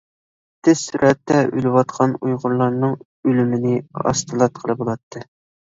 تىز سۈرئەتتە ئۆلۈۋاتقان ئۇيغۇرلارنىڭ ئۆلۈمىنى ئاستىلاتقىلى بولاتتى.